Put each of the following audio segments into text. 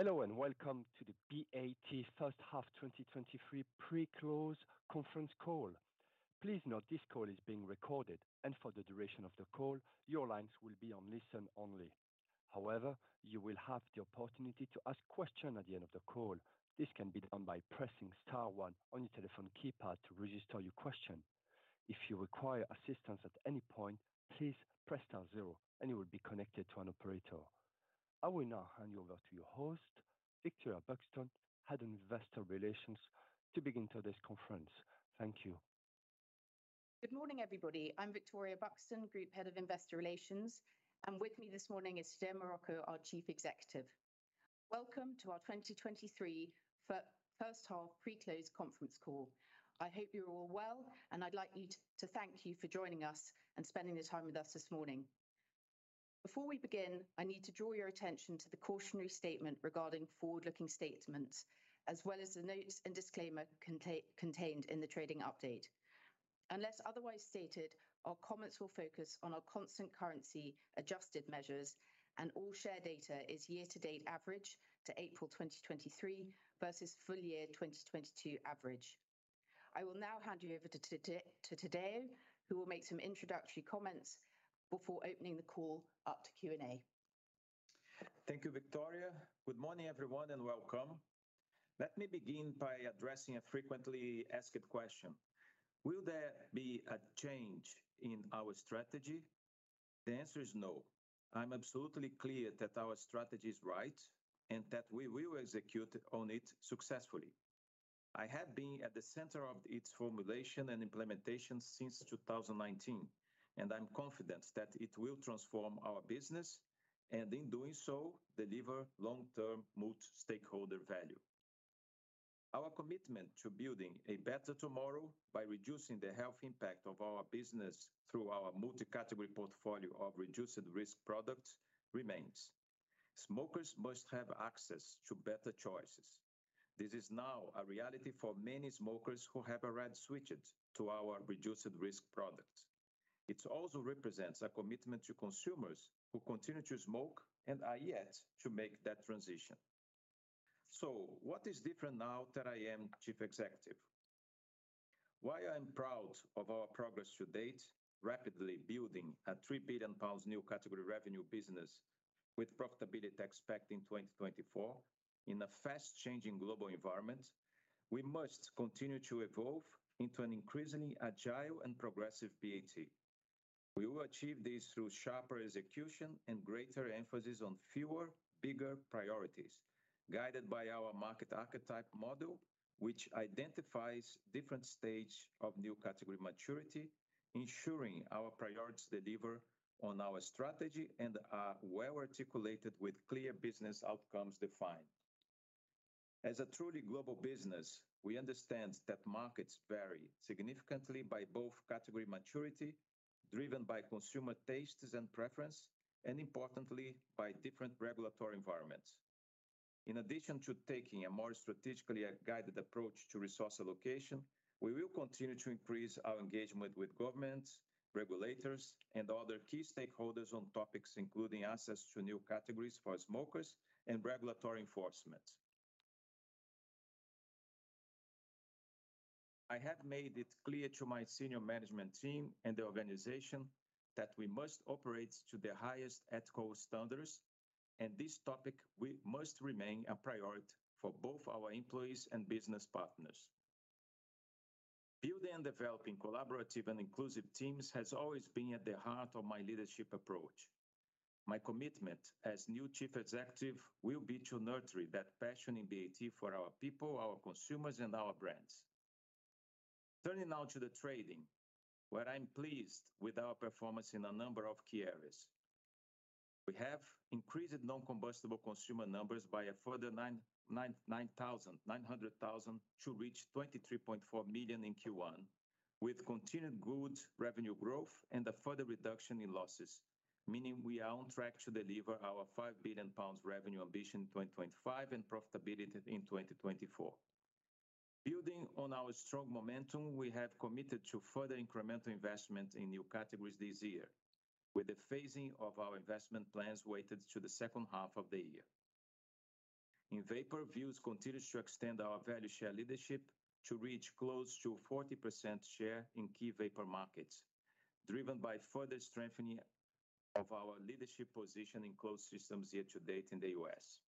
Hello, welcome to the BAT first half 2023 pre-close conference call. Please note this call is being recorded. For the duration of the call, your lines will be on listen only. However, you will have the opportunity to ask questions at the end of the call. This can be done by pressing star one on your telephone keypad to register your question. If you require assistance at any point, please press star zero and you will be connected to an operator. I will now hand you over to your host, Victoria Buxton, Head of Investor Relations, to begin today's conference. Thank you. Good morning, everybody. I'm Victoria Buxton, Group Head of Investor Relations. With me this morning is Tadeu Marroco, our Chief Executive. Welcome to our 2023 first half pre-close conference Call. I hope you're all well. I'd like to thank you for joining us and spending the time with us this morning. Before we begin, I need to draw your attention to the cautionary statement regarding forward-looking statements, as well as the notes and disclaimer contained in the trading update. Unless otherwise stated, our comments will focus on our constant currency adjusted measures. All share data is year to date average to April 2023 versus full year 2022 average. I will now hand you over to Tadeu, who will make some introductory comments before opening the call up to Q&A. Thank you, Victoria. Good morning, everyone, and welcome. Let me begin by addressing a frequently asked question: Will there be a change in our strategy? The answer is no. I'm absolutely clear that our strategy is right and that we will execute on it successfully. I have been at the center of its formulation and implementation since 2019, and I'm confident that it will transform our business, and in doing so, deliver long-term multi-stakeholder value. Our commitment to building a better tomorrow by reducing the health impact of our business through our multi-category portfolio of reduced risk products remains. Smokers must have access to better choices. This is now a reality for many smokers who have already switched to our reduced risk products. It also represents a commitment to consumers who continue to smoke and are yet to make that transition. What is different now that I am Chief Executive? While I'm proud of our progress to date, rapidly building a 3 billion pounds new category revenue business with profitability to expect in 2024, in a fast-changing global environment, we must continue to evolve into an increasingly agile and progressive BAT. We will achieve this through sharper execution and greater emphasis on fewer, bigger priorities, guided by our market archetype model, which identifies different stages of new category maturity, ensuring our priorities deliver on our strategy and are well articulated with clear business outcomes defined. As a truly global business, we understand that markets vary significantly by both category maturity, driven by consumer tastes and preference, and importantly, by different regulatory environments. In addition to taking a more strategically guided approach to resource allocation, we will continue to increase our engagement with governments, regulators, and other key stakeholders on topics including access to new categories for smokers and regulatory enforcement. I have made it clear to my senior management team and the organization that we must operate to the highest ethical standards. This topic must remain a priority for both our employees and business partners. Building and developing collaborative and inclusive teams has always been at the heart of my leadership approach. My commitment as new Chief Executive will be to nurture that passion in BAT for our people, our consumers, and our brands. Turning now to the trading, where I'm pleased with our performance in a number of key areas. We have increased non-combustible consumer numbers by a further 9,000. 900,000 to reach 23.4 million in Q1, with continued good revenue growth and a further reduction in losses, meaning we are on track to deliver our 5 billion pound revenue ambition in 2025 and profitability in 2024. Building on our strong momentum, we have committed to further incremental investment in new categories this year, with the phasing of our investment plans weighted to the second half of the year. In vapor, Vuse continues to extend our value share leadership to reach close to 40% share in key vapor markets, driven by further strengthening of our leadership position in closed systems year to date in the U.S.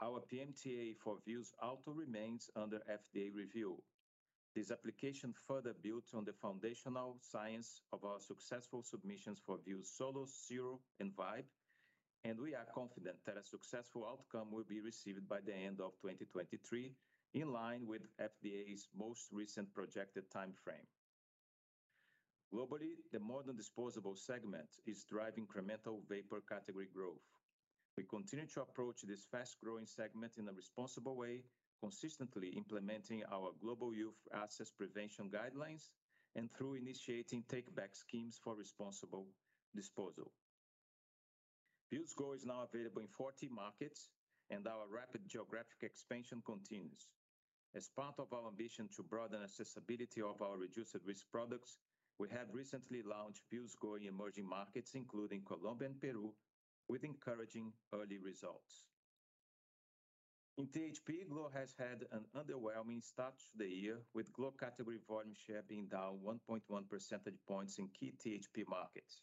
Our PMTA for Vuse Alto remains under FDA review. This application further builds on the foundational science of our successful submissions for Vuse Solo Zero, and Vibe, and we are confident that a successful outcome will be received by the end of 2023, in line with FDA's most recent projected timeframe. Globally, the modern disposable segment is driving incremental vapor category growth. We continue to approach this fast-growing segment in a responsible way, consistently implementing our global youth access prevention guidelines, and through initiating take-back schemes for responsible disposal. Vuse Go is now available in 40 markets, and our rapid geographic expansion continues. As part of our ambition to broaden accessibility of our reduced-risk products, we have recently launched Vuse Go in emerging markets, including Colombia and Peru, with encouraging early results. In THP, glo has had an underwhelming start to the year, with glo category volume share being down 1.1 percentage points in key THP markets.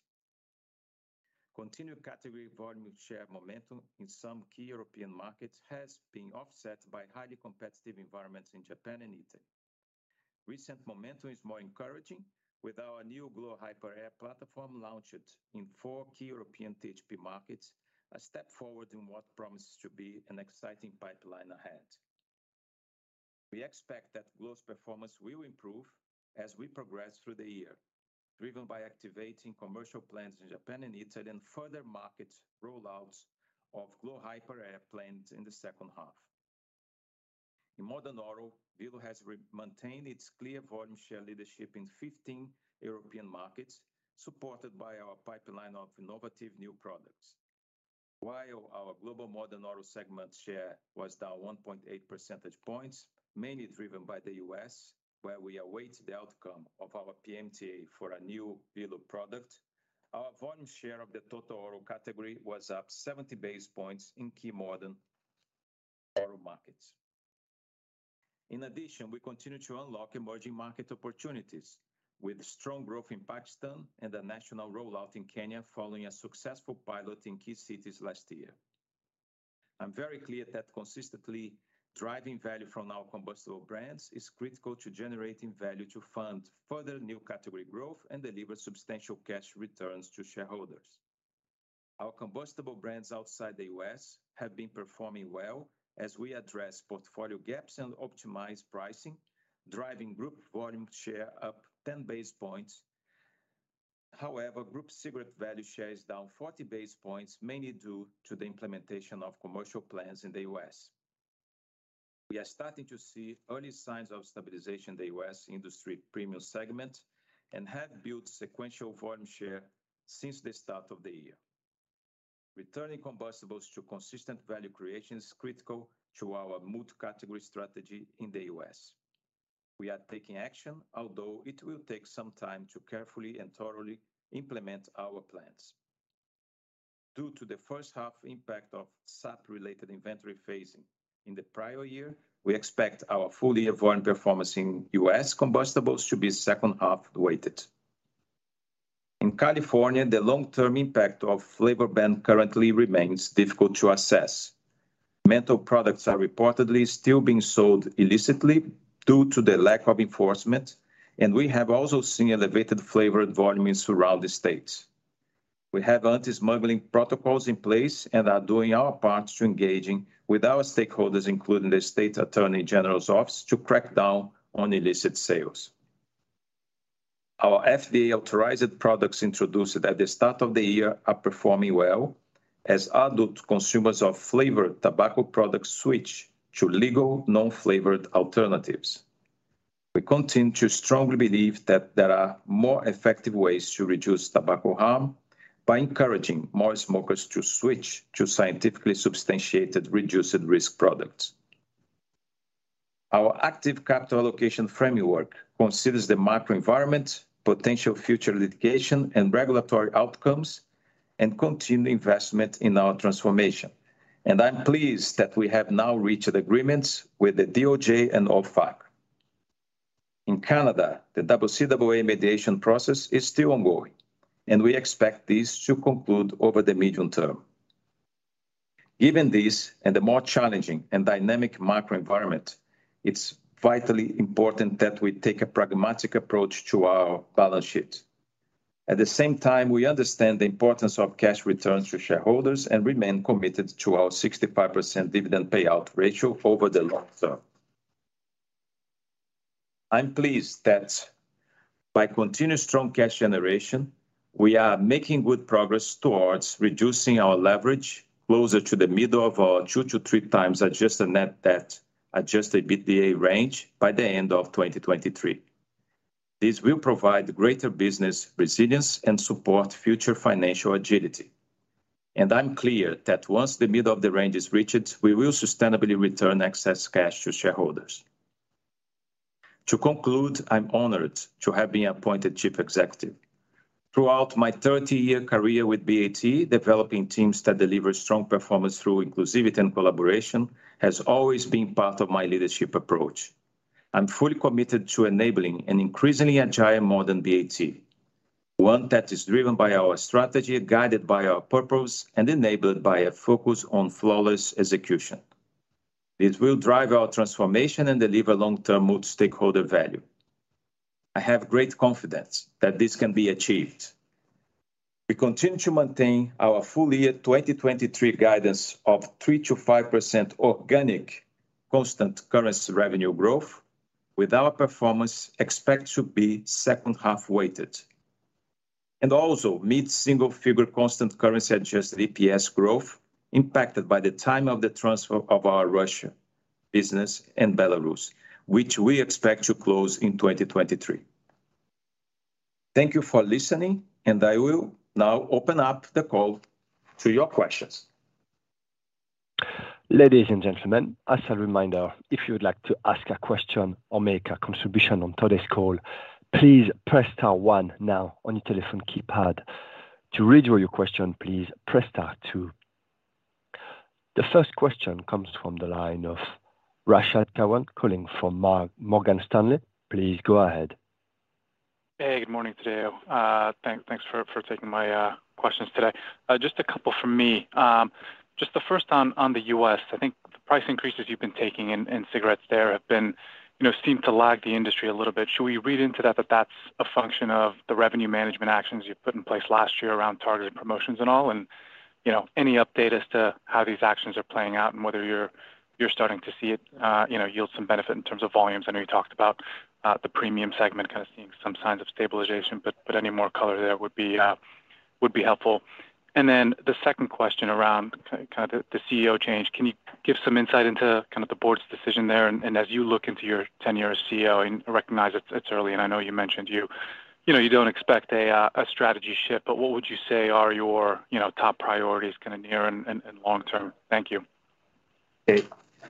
Continued category volume share momentum in some key European markets has been offset by highly competitive environments in Japan and Italy. Recent momentum is more encouraging, with our new glo Hyper Air platform launched in four key European THP markets, a step forward in what promises to be an exciting pipeline ahead. We expect that glo's performance will improve as we progress through the year, driven by activating commercial plans in Japan and Italy, and further market rollouts of glo Hyper Air plans in the second half. In Modern Oral, Velo has maintained its clear volume share leadership in 15 European markets, supported by our pipeline of innovative new products. While our global Modern Oral segment share was down 1.8 percentage points, mainly driven by the U.S., where we await the outcome of our PMTA for a new Velo product, our volume share of the total oral category was up 70 base points in key Modern Oral markets. We continue to unlock emerging market opportunities with strong growth in Pakistan and a national rollout in Kenya, following a successful pilot in key cities last year. I'm very clear that consistently driving value from our combustible brands is critical to generating value to fund further new category growth, and deliver substantial cash returns to shareholders. Our combustible brands outside the U.S. have been performing well, as we address portfolio gaps and optimize pricing, driving group volume share up 10 base points. However, group cigarette value share is down 40 basis points, mainly due to the implementation of commercial plans in the U.S. We are starting to see early signs of stabilization in the U.S. industry premium segment, and have built sequential volume share since the start of the year. Returning combustibles to consistent value creation is critical to our multi-category strategy in the U.S. We are taking action, although it will take some time to carefully and thoroughly implement our plans. Due to the first half impact of SAP-related inventory phasing in the prior year, we expect our full year volume performance in U.S. combustibles to be second half-weighted. In California, the long-term impact of flavor ban currently remains difficult to assess. Menthol products are reportedly still being sold illicitly due to the lack of enforcement, and we have also seen elevated flavored volumes throughout the state. We have anti-smuggling protocols in place and are doing our part to engaging with our stakeholders, including the State Attorney General's office, to crack down on illicit sales. Our FDA-authorized products introduced at the start of the year are performing well, as adult consumers of flavored tobacco products switch to legal, non-flavored alternatives. We continue to strongly believe that there are more effective ways to reduce tobacco harm by encouraging more smokers to switch to scientifically substantiated, reduced-risk products. Our active capital allocation framework considers the macro environment, potential future litigation and regulatory outcomes, and continued investment in our transformation. I'm pleased that we have now reached agreements with the DOJ and OFAC. In Canada, the CCAA mediation process is still ongoing, and we expect this to conclude over the medium term. Given this, the more challenging and dynamic macro environment, it's vitally important that we take a pragmatic approach to our balance sheet. At the same time, we understand the importance of cash returns to shareholders and remain committed to our 65% dividend payout ratio over the long term. I'm pleased that by continued strong cash generation, we are making good progress towards reducing our leverage closer to the middle of our 2-3x adjusted net debt, adjusted EBITDA range by the end of 2023. This will provide greater business resilience and support future financial agility, and I'm clear that once the middle of the range is reached, we will sustainably return excess cash to shareholders. To conclude, I'm honored to have been appointed Chief Executive. Throughout my 30-year career with BAT, developing teams that deliver strong performance through inclusivity and collaboration, has always been part of my leadership approach. I'm fully committed to enabling an increasingly agile, modern BAT, one that is driven by our strategy, guided by our purpose, and enabled by a focus on flawless execution. It will drive our transformation and deliver long-term multi-stakeholder value. I have great confidence that this can be achieved. We continue to maintain our full year 2023 guidance of 3%-5% organic constant currency revenue growth, with our performance expected to be second half-weighted. Mid-single figure constant currency adjusted EPS growth, impacted by the time of the transfer of our Russia business and Belarus, which we expect to close in 2023. Thank you for listening, and I will now open up the call to your questions. Ladies and gentlemen, as a reminder, if you would like to ask a question or make a contribution on today's call, please press star one now on your telephone keypad. To withdraw your question, please press star two. The first question comes from the line of Rashad Kawan, calling from Morgan Stanley. Please go ahead. Hey, good morning today. Thanks for taking my questions today. Just a couple from me. Just the first on the U.S. I think the price increases you've been taking in cigarettes there have been, you know, seem to lag the industry a little bit. Should we read into that that that's a function of the revenue management actions you put in place last year around targeted promotions and all? You know, any update as to how these actions are playing out and whether you're starting to see it, you know, yield some benefit in terms of volumes? I know you talked about the premium segment kind of seeing some signs of stabilization, but any more color there would be, would be helpful. The second question around kind of the CEO change. Can you give some insight into kind of the board's decision there? As you look into your tenure as CEO, and I recognize it's early, and I know you mentioned you know, you don't expect a strategy shift, what would you say are your, you know, top priorities kind of near and long term? Thank you. Hey.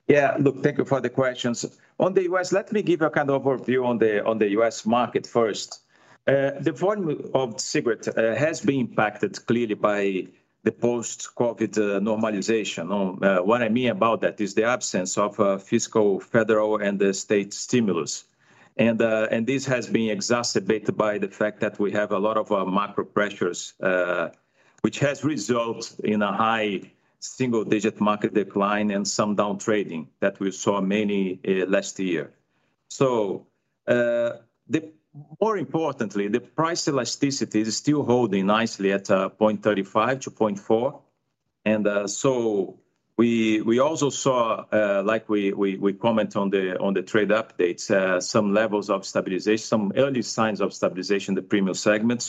Yeah, look, thank you for the questions. On the U.S., let me give a kind of overview on the U.S. market first. The volume of cigarettes has been impacted clearly by the post-COVID normalization. What I mean about that is the absence of fiscal, federal, and the state stimulus. This has been exacerbated by the fact that we have a lot of macro pressures, which has resulted in a high single-digit market decline and some down trading that we saw many last year. More importantly, the price elasticity is still holding nicely at 0.35-0.4. So we also saw, like we comment on the trade updates, some levels of stabilization, some early signs of stabilization in the premium segment.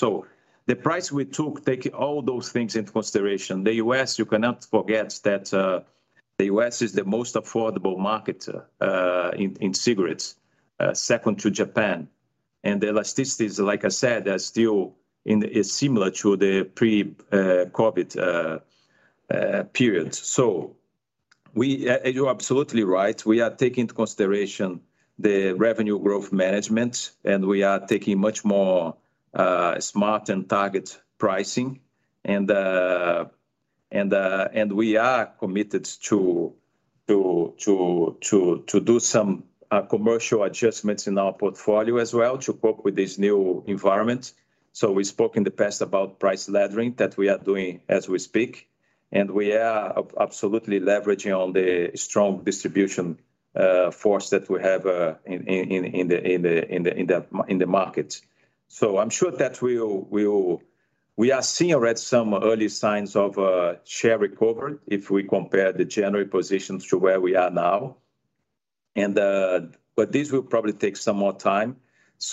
The price we took, taking all those things into consideration, the U.S., you cannot forget that, the U.S. is the most affordable market in cigarettes, second to Japan. The elasticity is, like I said, still in, is similar to the pre-COVID period. We, you're absolutely right. We are taking into consideration the revenue growth management, we are taking much more smart and target pricing. We are committed to do some commercial adjustments in our portfolio as well, to cope with this new environment. We spoke in the past about price laddering that we are doing as we speak, and we are absolutely leveraging on the strong distribution force that we have in the market. I'm sure that we are seeing already some early signs of a share recovery if we compare the January positions to where we are now. This will probably take some more time,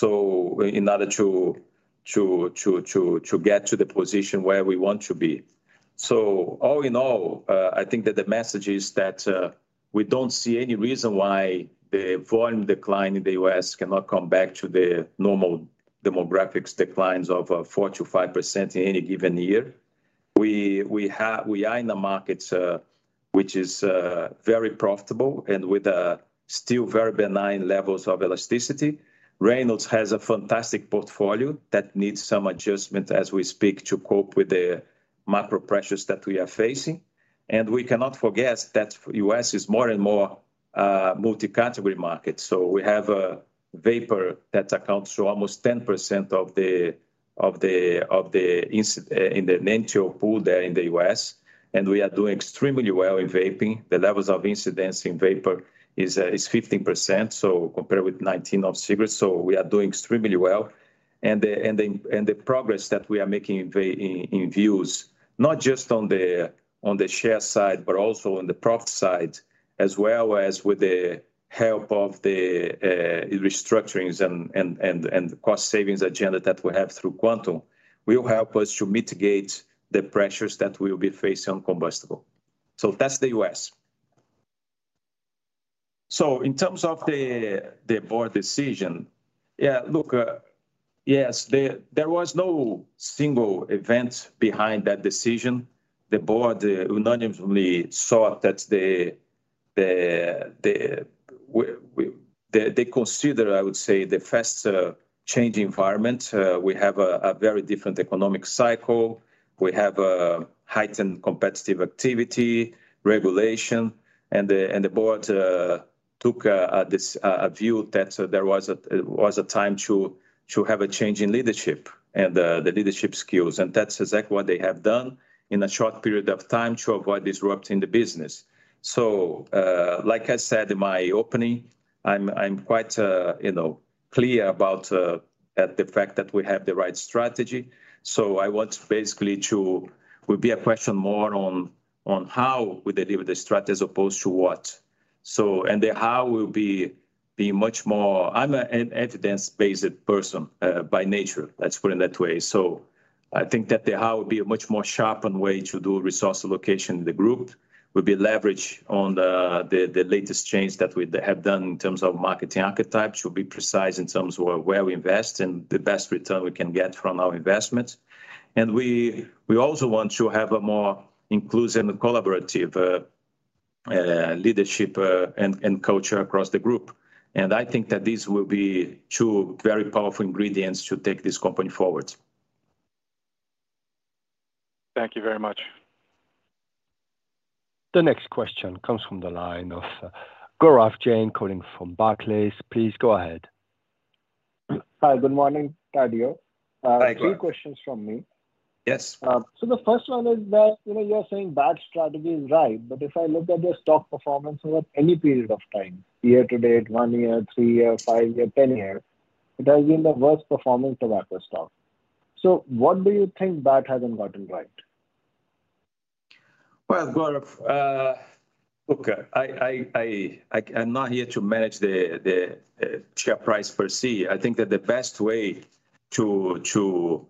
in order to get to the position where we want to be. All in all, I think that the message is that we don't see any reason why the volume decline in the U.S. cannot come back to the normal demographics declines of 4%-5% in any given year. We are in the market, which is very profitable and with still very benign levels of elasticity. Reynolds has a fantastic portfolio that needs some adjustment as we speak, to cope with the macro pressures that we are facing. We cannot forget that U.S. is more and more multi-category market. We have a vapor that accounts to almost 10% of the in the nicotine pool there in the U.S., and we are doing extremely well in vaping. The levels of incidence in vapor is 15%, so compared with 19 of cigarettes. We are doing extremely well. The progress that we are making in Vuse, not just on the, on the share side, but also on the profit side, as well as with the help of the restructurings and cost savings agenda that we have through Quantum, will help us to mitigate the pressures that we'll be facing on combustible. That's the U.S. In terms of the board decision, Yeah, look, yes, there was no single event behind that decision. The board unanimously thought that the they consider, I would say, the fast changing environment. We have a very different economic cycle. We have a heightened competitive activity, regulation, and the board took a this a view that there was a time to have a change in leadership and the leadership skills, and that's exactly what they have done in a short period of time to avoid disrupting the business. Like I said in my opening, I'm quite, you know, clear about at the fact that we have the right strategy. Will be a question more on how we deliver the strategy as opposed to what. The how will be much more. I'm an evidence-based person by nature, let's put it that way. I think that the how would be a much more sharpened way to do resource allocation in the group, would be leverage on the latest change that we have done in terms of marketing archetypes, should be precise in terms of where we invest and the best return we can get from our investments. We also want to have a more inclusive and collaborative leadership and culture across the group. I think that these will be two very powerful ingredients to take this company forward. Thank you very much. The next question comes from the line of Gaurav Jain, calling from Barclays. Please go ahead. Hi, good morning, Tadeu. Hi, Gaurav. Three questions from me. Yes. The first one is that, you know, you're saying BAT strategy is right, but if I look at the stock performance over any period of time, year-to-date, 1 year, 3 year, 5 year, 10 year, it has been the worst performing tobacco stock. What do you think BAT hasn't gotten right? Well, Gaurav, look, I'm not here to manage the share price per se. I think that the best way to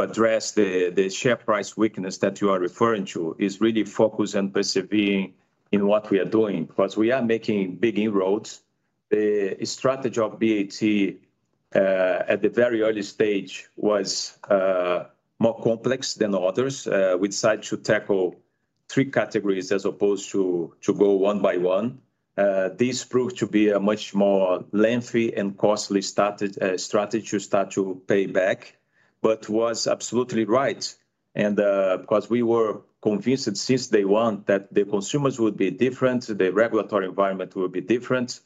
address the share price weakness that you are referring to is really focus on persevering in what we are doing, because we are making big inroads. The strategy of BAT at the very early stage was more complex than others. We decided to tackle three categories as opposed to go one by one. This proved to be a much more lengthy and costly started strategy to start to pay back, but was absolutely right. Because we were convinced since day one that the consumers would be different, the regulatory environment would be different,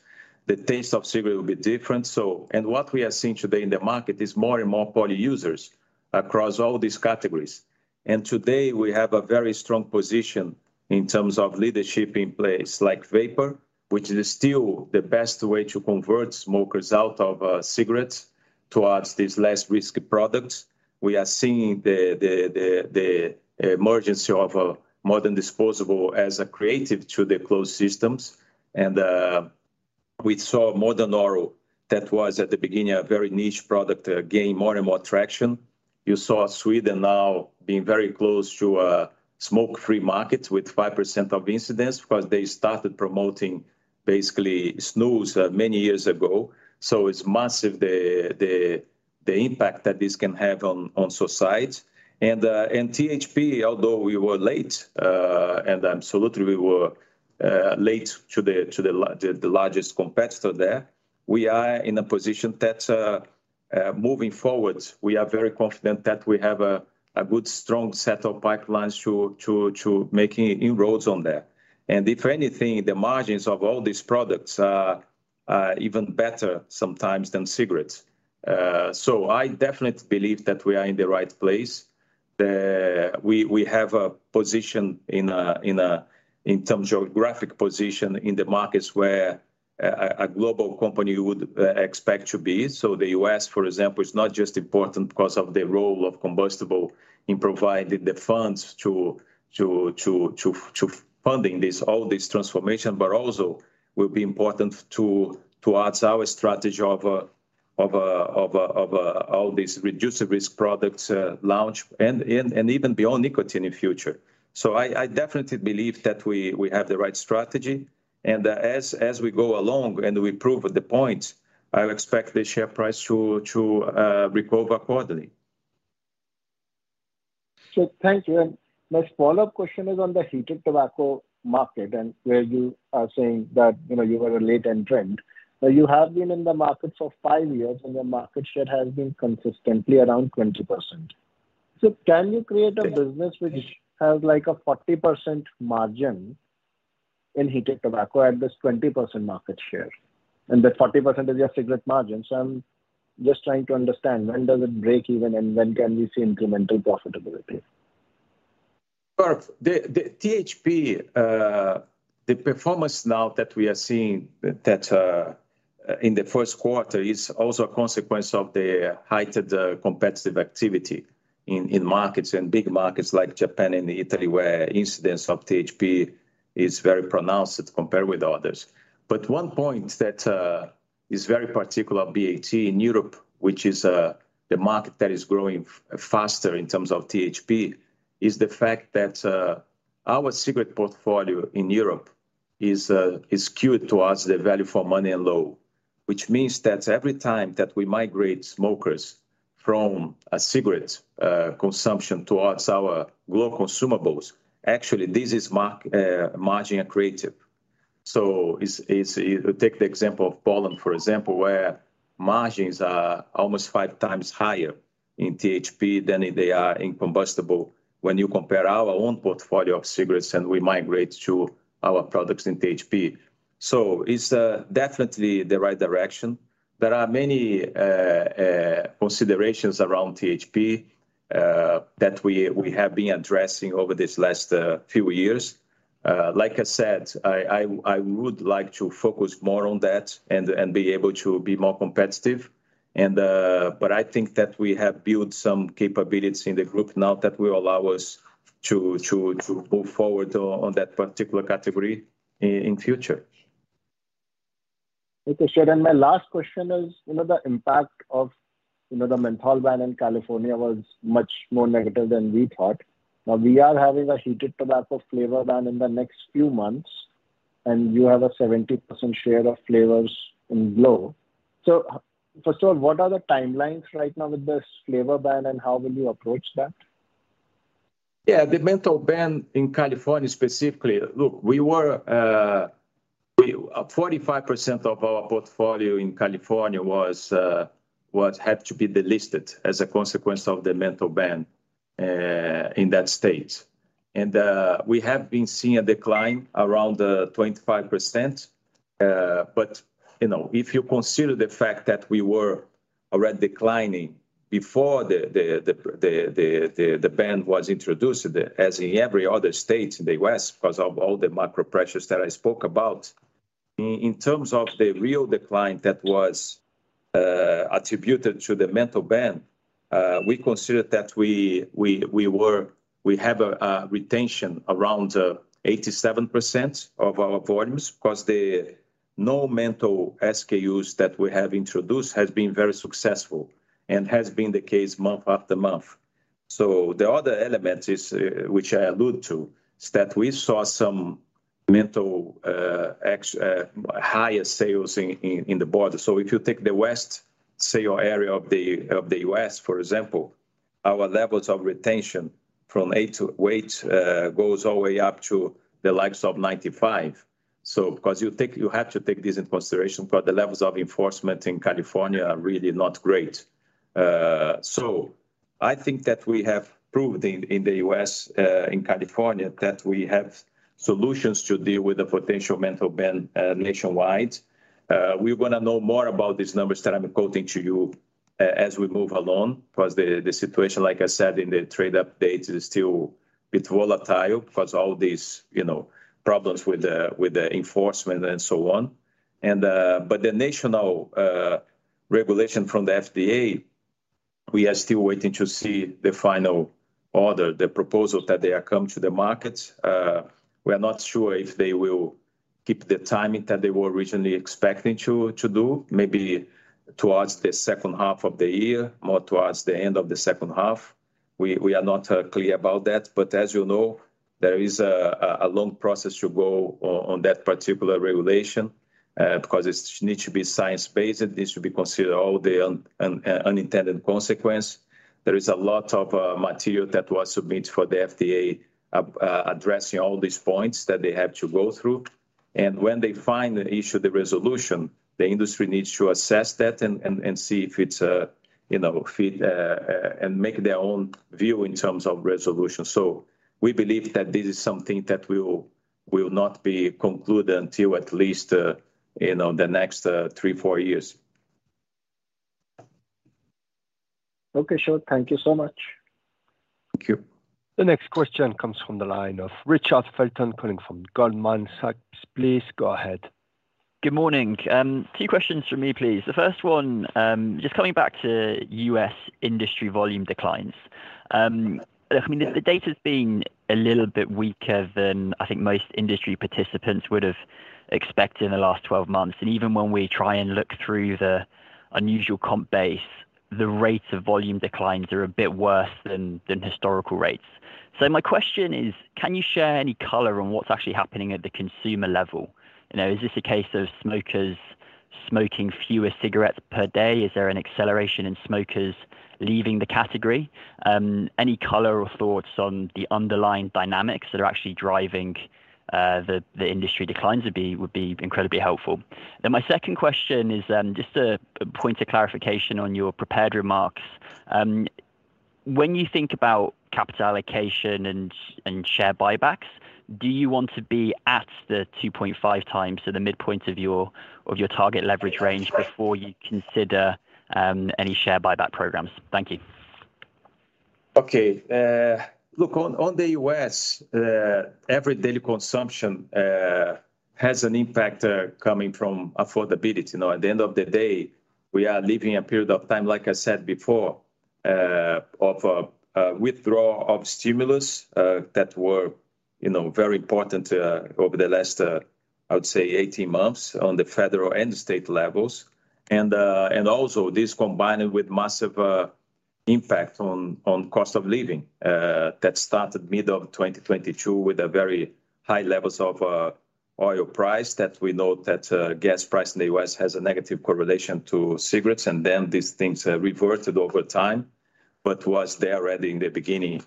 the taste of cigarette would be different. What we are seeing today in the market is more and more poly users across all these categories. Today, we have a very strong position in terms of leadership in place, like vapor, which is still the best way to convert smokers out of cigarettes towards these less risky products. We are seeing the emergence of a modern disposable as a creative to the closed systems. We saw Modern Oral, that was at the beginning, a very niche product, gain more and more traction. You saw Sweden now being very close to a smoke-free market with 5% of incidence, because they started promoting basically snus many years ago. It's massive, the impact that this can have on society. THP, although we were late, and absolutely we were late to the largest competitor there, we are in a position that, moving forward, we are very confident that we have a good, strong set of pipelines to making inroads on that. If anything, the margins of all these products are even better sometimes than cigarettes. So I definitely believe that we are in the right place. We have a position in a, in terms of geographic position in the markets where a global company you would expect to be. The U.S., for example, is not just important because of the role of combustible in providing the funds to funding this, all this transformation, but also will be important towards our strategy of all these reduced risk products launch and even beyond nicotine in future. I definitely believe that we have the right strategy, and as we go along and we prove the point, I expect the share price to recover quarterly. Thank you, and my follow-up question is on the heated tobacco market, and where you are saying that, you know, you were a late entrant, but you have been in the market for five years, and your market share has been consistently around 20%. Can you create a business which has, like, a 40% margin in heated tobacco at this 20% market share, and that 40% is your cigarette margin? I'm just trying to understand, when does it break even and when can we see incremental profitability? Gaurav, the THP performance now that we are seeing that in the first quarter is also a consequence of the heightened competitive activity in markets, in big markets like Japan and Italy, where incidence of THP is very pronounced compared with others. One point that is very particular BAT in Europe, which is the market that is growing faster in terms of THP, is the fact that our cigarette portfolio in Europe is skewed towards the value for money and low. Which means that every time that we migrate smokers from a cigarette consumption towards our glo consumables, actually this is margin accretive. It's. Take the example of Poland, for example, where margins are almost five times higher in THP than they are in combustible when you compare our own portfolio of cigarettes, and we migrate to our products in THP. It's definitely the right direction. There are many considerations around THP that we have been addressing over this last few years. Like I said, I would like to focus more on that and be able to be more competitive, but I think that we have built some capabilities in the group now that will allow us to move forward on that particular category in future. Okay, sure. My last question is, you know, the impact of, you know, the menthol ban in California was much more negative than we thought. We are having a heated tobacco flavor ban in the next few months, and you have a 70% share of flavors in glo. First of all, what are the timelines right now with this flavor ban, and how will you approach that? Yeah, the menthol ban in California specifically, look, we were 45% of our portfolio in California was had to be delisted as a consequence of the menthol ban in that state. We have been seeing a decline around 25%. But, you know, if you consider the fact that we were already declining before the ban was introduced, as in every other state in the U.S., because of all the macro pressures that I spoke about. In terms of the real decline that was attributed to the menthol ban, we considered that we have a retention around 87% of our volumes. Because the no menthol SKUs that we have introduced has been very successful, and has been the case month after month. The other element is, which I allude to, is that we saw some menthol higher sales in the border. If you take the West sale area of the U.S., for example, our levels of retention from 8 to weight goes all the way up to the likes of 95. Because you have to take this into consideration, but the levels of enforcement in California are really not great. I think that we have proved in the U.S., in California, that we have solutions to deal with the potential menthol ban nationwide. We want to know more about these numbers that I'm quoting to you, as we move along, because the situation, like I said, in the trade updates, is still bit volatile because all these, you know, problems with the, with the enforcement and so on. The national regulation from the FDA, we are still waiting to see the final order, the proposal that they are come to the market. We are not sure if they will keep the timing that they were originally expecting to do. Maybe towards the second half of the year, more towards the end of the second half. We are not clear about that, but as you know, there is a long process to go on that particular regulation, because it's need to be science-based, it needs to be considered all the unintended consequence. There is a lot of material that was submitted for the FDA, addressing all these points that they have to go through. When they finally issue the resolution, the industry needs to assess that and see if it's a, you know, fit, and make their own view in terms of resolution. We believe that this is something that will not be concluded until at least, you know, the next, three, four years. Okay, sure. Thank you so much. Thank you. The next question comes from the line of Richard Felton, calling from Goldman Sachs. Please go ahead. Good morning. Two questions from me, please. The first one, just coming back to U.S. industry volume declines. I mean, the data's been a little bit weaker than I think most industry participants would have expected in the last 12 months. Even when we try and look through the unusual comp base, the rates of volume declines are a bit worse than historical rates. My question is: can you share any color on what's actually happening at the consumer level? You know, is this a case of smokers smoking fewer cigarettes per day? Is there an acceleration in smokers leaving the category? Any color or thoughts on the underlying dynamics that are actually driving the industry declines would be incredibly helpful. My second question is, just a point of clarification on your prepared remarks. When you think about capital allocation and share buybacks, do you want to be at the 2.5 times, so the midpoint of your target leverage range before you consider any share buyback programs? Thank you. Okay, look, on the U.S., every daily consumption has an impact coming from affordability. You know, at the end of the day, we are living in a period of time, like I said before, of a withdrawal of stimulus that were, you know, very important over the last I would say 18 months on the federal and state levels. Also, this combined with massive impact on cost of living that started mid-2022, with a very high levels of oil price that we know that gas price in the U.S. has a negative correlation to cigarettes. These things reverted over time. Was there already in the beginning,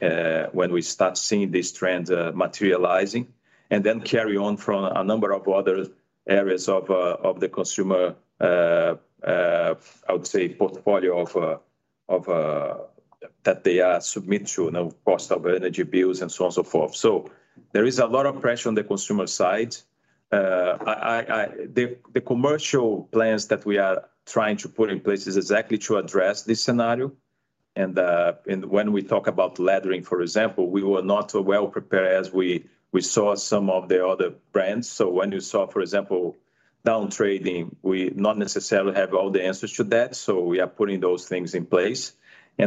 when we start seeing this trend, materializing, and then carry on from a number of other areas of the consumer, I would say, portfolio of... That they are submit to, you know, cost of energy bills and so on, so forth. There is a lot of pressure on the consumer side. I the commercial plans that we are trying to put in place is exactly to address this scenario. When we talk about laddering, for example, we were not well prepared as we saw some of the other brands. When you saw, for example, down trading, we not necessarily have all the answers to that, so we are putting those things in place.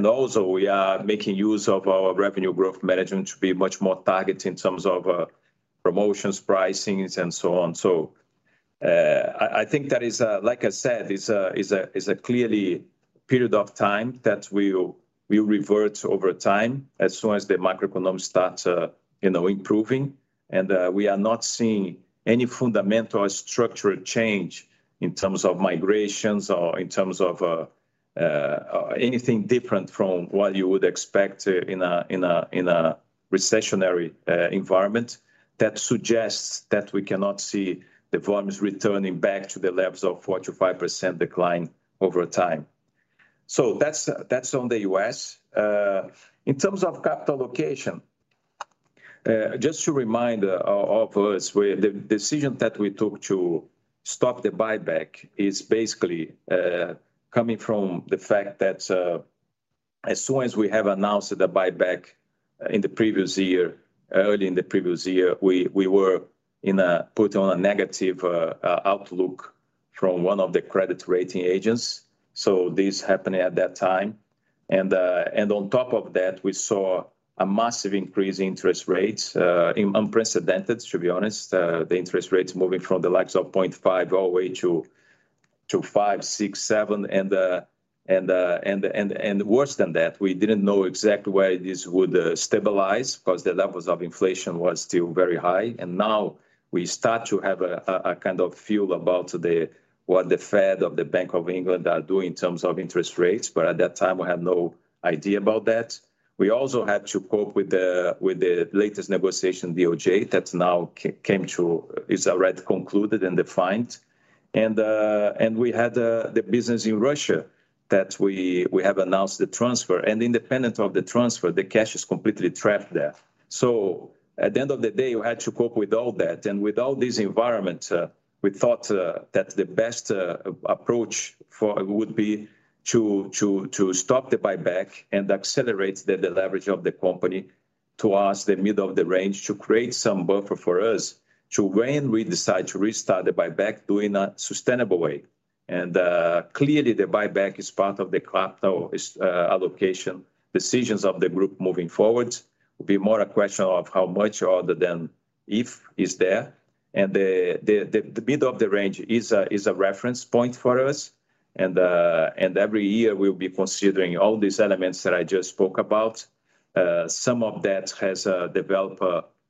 Also, we are making use of our revenue growth management to be much more targeted in terms of promotions, pricings, and so on. I think that is, like I said, it's a, it's a, it's a clearly period of time that will revert over time as soon as the macroeconomy starts, you know, improving. We are not seeing any fundamental structural change in terms of migrations or in terms of anything different from what you would expect in a, in a, in a recessionary environment. That suggests that we cannot see the volumes returning back to the levels of 4%-5% decline over time. That's on the U.S. In terms of capital allocation, just to remind all of us, the decision that we took to stop the buyback is basically coming from the fact that as soon as we have announced the buyback in the previous year, early in the previous year, we were put on a negative outlook from one of the credit rating agents, so this happened at that time. On top of that, we saw a massive increase in interest rates, in unprecedented, to be honest, the interest rates moving from the likes of 0.5 all the way to 5, 6, 7. Worse than that, we didn't know exactly where this would stabilize, 'cause the levels of inflation was still very high. Now we start to have a kind of feel about the, what the Fed of the Bank of England are doing in terms of interest rates. At that time, we had no idea about that. We also had to cope with the, with the latest negotiation, DOJ, that's now is already concluded and defined. We had, the business in Russia that we have announced the transfer. Independent of the transfer, the cash is completely trapped there. At the end of the day, we had to cope with all that. With all this environment, we thought that the best approach would be to stop the buyback and accelerate the deleverage of the company towards the middle of the range, to create some buffer for us to when we decide to restart the buyback, do in a sustainable way. Clearly, the buyback is part of the capital allocation decisions of the group moving forward. Will be more a question of how much rather than if it's there. The middle of the range is a reference point for us. Every year we'll be considering all these elements that I just spoke about. Some of that has developed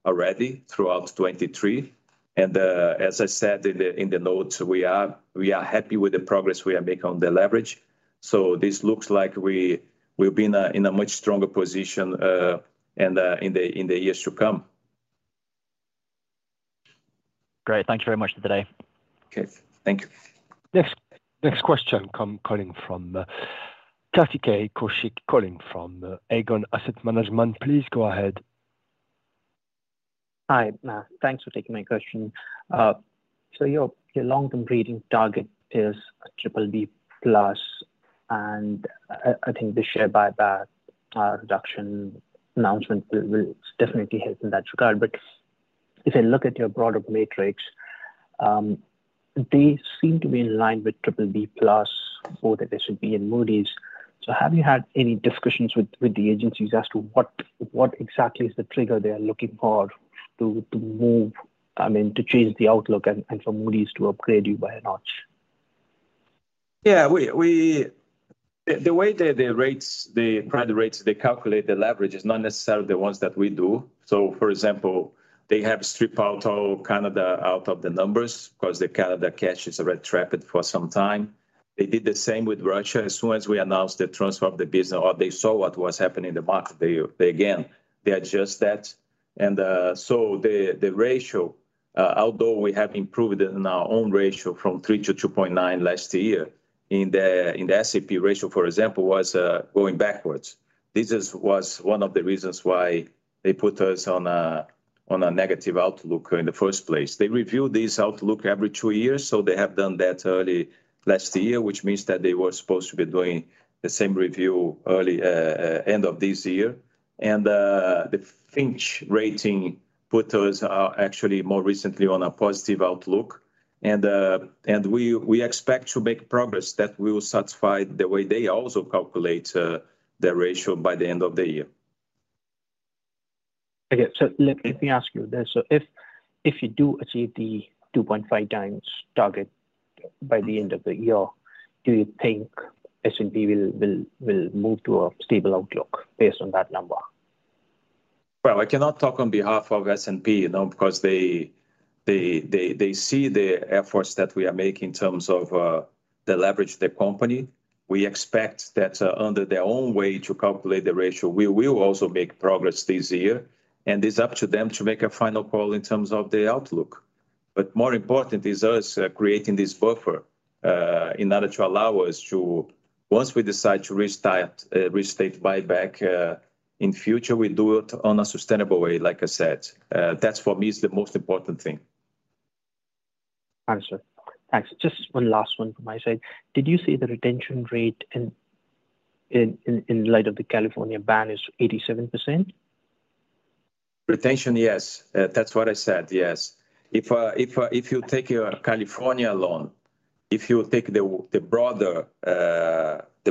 already throughout 2023. As I said in the notes, we are happy with the progress we are making on the leverage, so this looks like we will be in a much stronger position in the years to come. Great. Thank you very much today. Okay, thank you. Next question come, calling from Kartikey Kaushik, calling from Aegon Asset Management. Please go ahead. Hi, thanks for taking my question. Your long-term rating target is a BBB+, and I think the share buyback reduction announcement will definitely help in that regard. If I look at your product matrix, they seem to be in line with BBB+, or that they should be in Moody's. Have you had any discussions with the agencies as to what exactly is the trigger they are looking for to move, I mean, to change the outlook and for Moody's to upgrade you by a notch? We, the way the rates, the credit rates, they calculate the leverage is not necessarily the ones that we do. For example, they have stripped out all Canada out of the numbers, 'cause the Canada cash is already trapped for some time. They did the same with Russia. As soon as we announced the transfer of the business or they saw what was happening in the market, they again, they adjust that. The ratio, although we have improved it in our own ratio from 3 to 2.9 last year, in the S&P ratio, for example, was going backwards. This was one of the reasons why they put us on a negative outlook in the first place. They review this outlook every two years, they have done that early last year, which means that they were supposed to be doing the same review early end of this year. The Fitch Ratings put us actually more recently on a positive outlook. We expect to make progress that will satisfy the way they also calculate the ratio by the end of the year. Okay, let me ask you this: If you do achieve the 2.5x target by the end of the year, do you think S&P will move to a stable outlook based on that number? Well, I cannot talk on behalf of S&P, you know, because they see the efforts that we are making in terms of the leverage of the company. We expect that under their own way to calculate the ratio, we will also make progress this year, and it's up to them to make a final call in terms of the outlook. More important is us creating this buffer in order to allow us to once we decide to restart restate buyback in future, we do it on a sustainable way, like I said. That's for me, is the most important thing. Understood. Thanks. Just one last one from my side. Did you say the retention rate in light of the California ban is 87%? Retention, yes. That's what I said. Yes. If you take the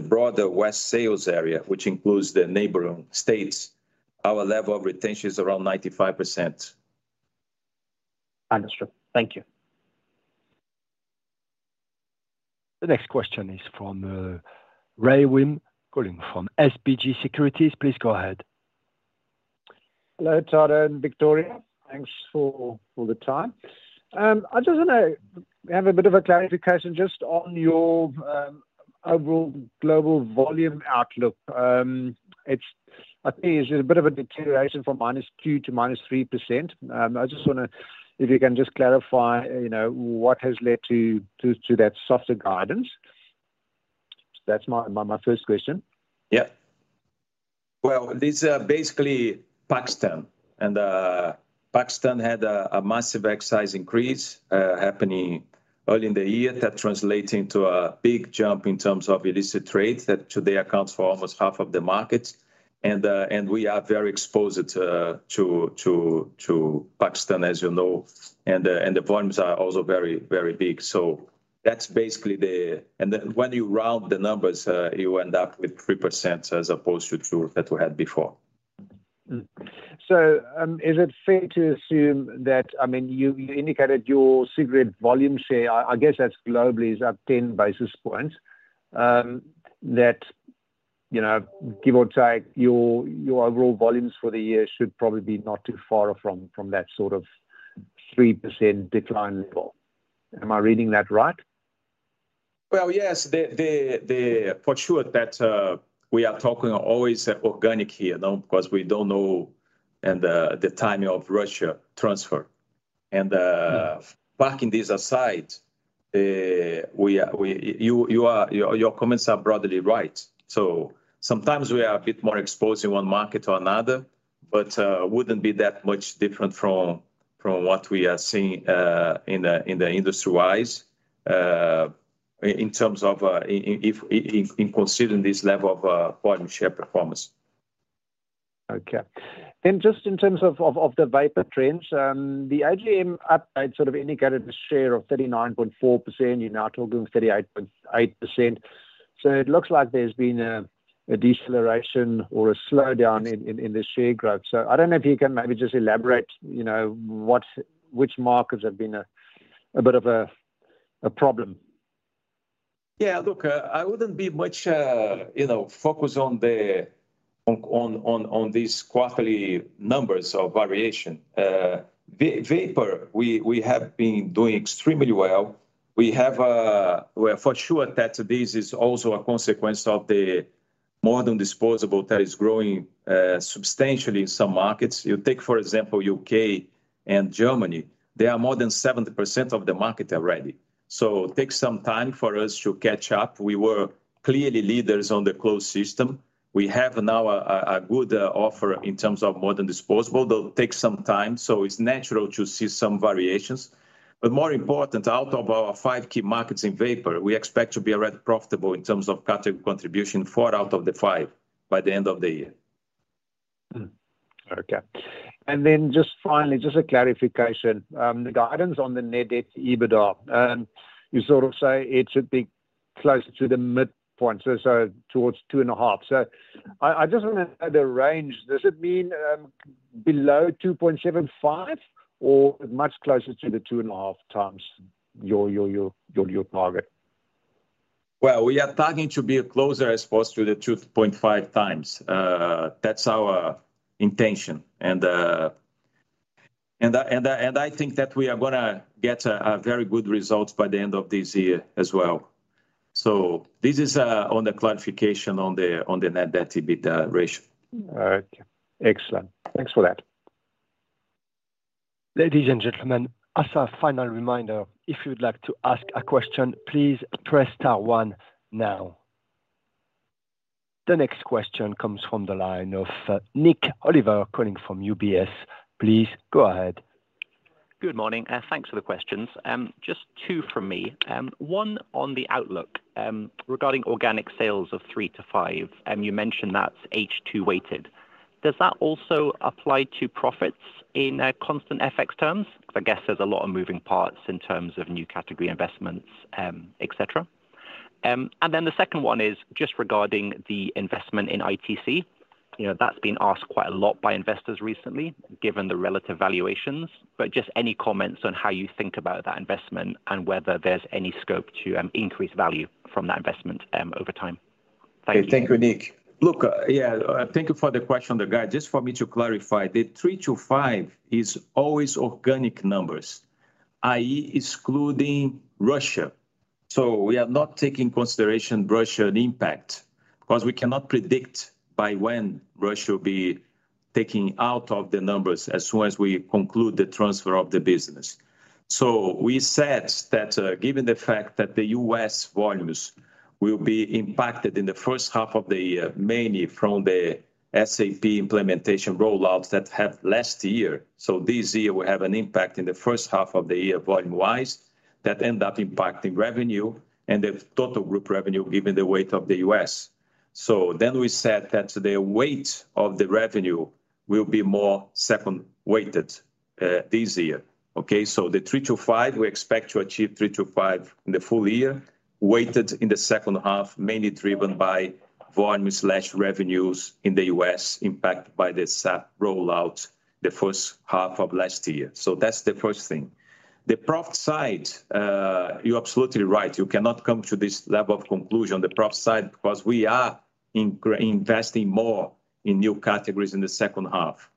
broader West Sale Area, which includes the neighboring states, our level of retention is around 95%. Understood. Thank you. The next question is from, Rey Wium, calling from SBG Securities. Please go ahead. Hello, Tadeu and Victoria. Thanks for the time. I just want to have a bit of a clarification just on your overall global volume outlook. It's, I think it's a bit of a deterioration from minus 2% to minus 3%. I just wonder if you can just clarify, you know, what has led to that softer guidance? That's my first question. Yeah. Well, this is basically Pakistan, and Pakistan had a massive excise increase happening early in the year. That translating to a big jump in terms of illicit trade, that today accounts for almost half of the market. We are very exposed to Pakistan, as you know, and the volumes are also very big. That's basically. When you round the numbers, you end up with 3% as opposed to 2% that we had before. Is it fair to assume that, I mean, you indicated your cigarette volume share, I guess that's globally is up 10 basis points, that, you know, give or take, your overall volumes for the year should probably be not too far from that sort of 3% decline level. Am I reading that right? Well, yes, the for sure, that, we are talking always organic here, though, because we don't know, and, the timing of Russia transfer. Mm. Parking this aside, your comments are broadly right. Sometimes we are a bit more exposed in one market to another, but wouldn't be that much different from what we are seeing in the industry-wise in terms of considering this level of volume share performance. Okay. Just in terms of the vapor trends, the AGM update sort of indicated a share of 39.4%. You're now talking 38.8%. I don't know if you can maybe just elaborate, you know, what, which markets have been a bit of a problem? Yeah, look, I wouldn't be much, you know, focused on these quarterly numbers of variation. Vapor, we have been doing extremely well. We have, we are for sure that this is also a consequence of the modern disposable that is growing substantially in some markets. You take, for example, U.K. and Germany. They are more than 70% of the market already, so takes some time for us to catch up. We were clearly leaders on the closed system. We have now a good offer in terms of modern disposable, though, it takes some time, so it's natural to see some variations. More important, out of our five key markets in vapor, we expect to be already profitable in terms of category contribution, four out of the five by the end of the year. Okay. Just finally, just a clarification. The guidance on the net debt EBITDA, you sort of say it should be closer to the midpoint, so towards 2.5. I just want to know the range. Does it mean below 2.75 or much closer to the 2.5x your target? We are targeting to be closer as opposed to the 2.5 times. That's our intention, and I think that we are gonna get a very good results by the end of this year as well. This is on the clarification on the net debt to EBITDA ratio. Okay, excellent. Thanks for that. Ladies and gentlemen, as a final reminder, if you'd like to ask a question, please press star one now. The next question comes from the line of Nik Oliver, calling from UBS. Please go ahead. Good morning, and thanks for the questions. Just two from me. One on the outlook, regarding organic sales of 3%-5%, and you mentioned that's H2 weighted. Does that also apply to profits in constant FX terms? I guess there's a lot of moving parts in terms of new category investments, et cetera. The second one is just regarding the investment in ITC. You know, that's been asked quite a lot by investors recently, given the relative valuations. Just any comments on how you think about that investment and whether there's any scope to increase value from that investment over time? Thank you. Thank you, Nik. Look, yeah, thank thank you for the question regard. Just for me to clarify, the 3-5 is always organic numbers, i.e., excluding Russia. We are not taking consideration Russia impact, because we cannot predict by when Russia will be taking out of the numbers as soon as we conclude the transfer of the business. We said that, given the fact that the U.S. volumes will be impacted in the first half of the year, mainly from the SAP implementation rollouts that happened last year. This year will have an impact in the first half of the year, volume-wise, that end up impacting revenue and the total group revenue, given the weight of the U.S. We said that the weight of the revenue will be more second weighted this year. Okay? The 3%-5%, we expect to achieve 3%-5% in the full year, weighted in the second half, mainly driven by volume/revenues in the U.S., impacted by the SAP rollout the first half of last year. That's the first thing. The profit side, you're absolutely right, you cannot come to this level of conclusion, the profit side, because we are investing more in new categories in the second half.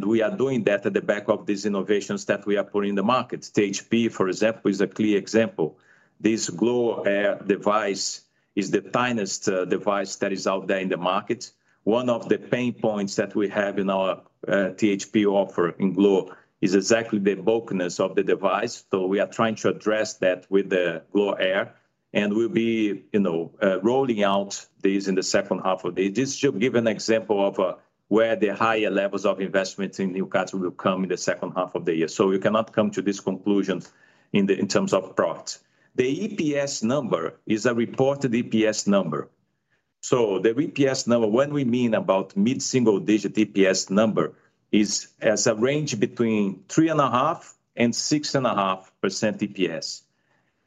We are doing that at the back of these innovations that we are putting in the market. THP, for example, is a clear example. This glo Air device is the finest device that is out there in the market. One of the pain points that we have in our THP offer in glo is exactly the bulkiness of the device, we are trying to address that with the glo Air, and we'll be, you know, rolling out this in the second half of the... This should give an example of where the higher levels of investments in new categories will come in the second half of the year. You cannot come to this conclusion in terms of profit. The EPS number is a reported EPS number. The EPS number, when we mean about mid-single-digit EPS number, is as a range between three and a half and six and a half % EPS.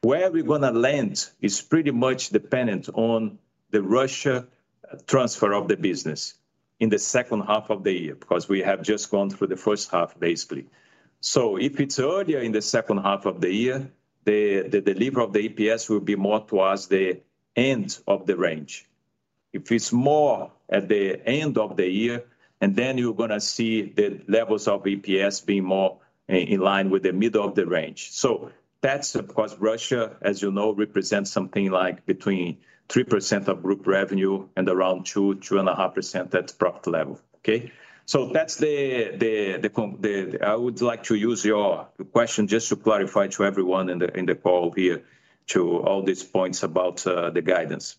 Where we're gonna land is pretty much dependent on the Russia transfer of the business in the second half of the year, because we have just gone through the first half, basically. If it's earlier in the second half of the year, the delivery of the EPS will be more towards the end of the range. If it's more at the end of the year, then you're gonna see the levels of EPS being more in line with the middle of the range. That's because Russia, as you know, represents something like between 3% of group revenue and around 2%-2.5% at profit level. Okay. That's the... I would like to use your question just to clarify to everyone in the call here, to all these points about the guidance.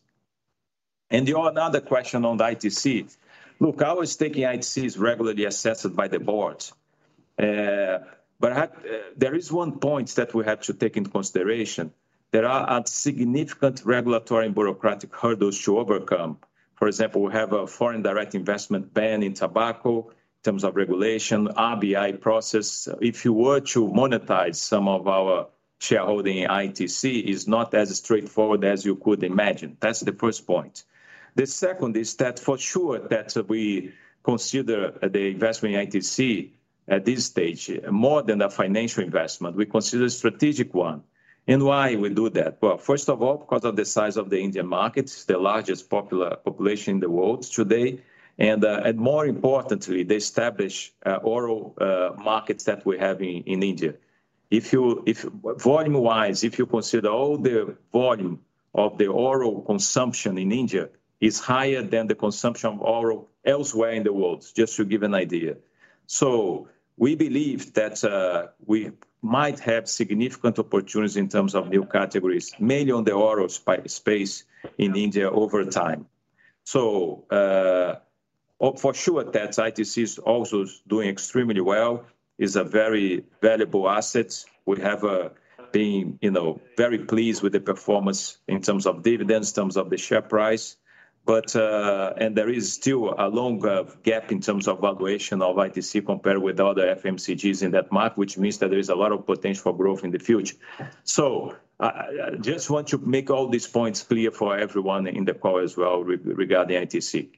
Your another question on the ITC. Look, our staking ITC is regularly assessed by the board. There is one point that we have to take into consideration. There are a significant regulatory and bureaucratic hurdles to overcome. For example, we have a foreign direct investment ban in tobacco, in terms of regulation, RBI process. If you were to monetize some of our shareholding in ITC, is not as straightforward as you could imagine. That's the first point. The second is that for sure, that we consider the investment in ITC at this stage, more than a financial investment, we consider a strategic one. Why we do that? Well, first of all, because of the size of the Indian markets, the largest popular population in the world today, and, more importantly, the established oral markets that we have in India. Volume-wise, if you consider all the volume of the oral consumption in India, is higher than the consumption of oral elsewhere in the world, just to give an idea. We believe that we might have significant opportunities in terms of new categories, mainly on the oral space in India over time. For sure, that ITC is also doing extremely well, is a very valuable asset. We have been, you know, very pleased with the performance in terms of dividends, in terms of the share price. There is still a long gap in terms of valuation of ITC compared with other FMCGs in that market, which means that there is a lot of potential for growth in the future. I just want to make all these points clear for everyone in the call as well regarding ITC.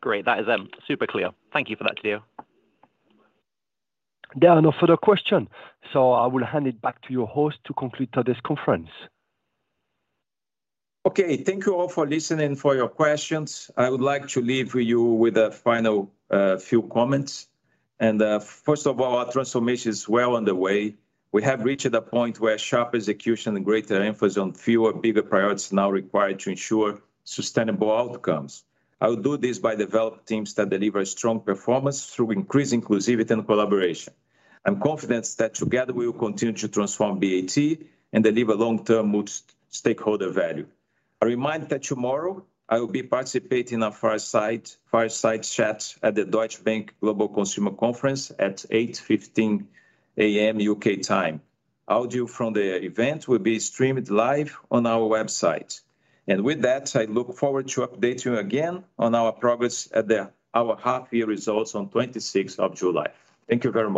Great. That is, super clear. Thank you for that, Tadeu. There are no further question. I will hand it back to your host to conclude today's conference. Okay. Thank you all for listening, for your questions. I would like to leave you with a final few comments. First of all, our transformation is well underway. We have reached a point where sharp execution and greater emphasis on fewer, bigger priorities are now required to ensure sustainable outcomes. I will do this by developing teams that deliver strong performance through increased inclusivity and collaboration. I'm confident that together, we will continue to transform BAT and deliver long-term multiple stakeholder value. A reminder that tomorrow, I will be participating in a fireside chat at the Deutsche Bank Global Consumer Conference at 8:15 A.M. U.K. time. Audio from the event will be streamed live on our website. With that, I look forward to updating you again on our progress at our half-year results on 26th of July. Thank you very much.